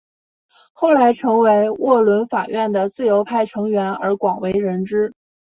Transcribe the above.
后来成为沃伦法院的自由派成员而广为人知。